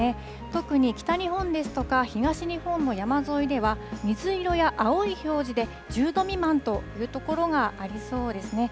特に北日本ですとか東日本の山沿いでは水色や青い表示で、１０度未満という所がありそうですね。